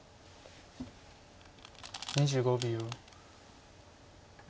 ２５秒。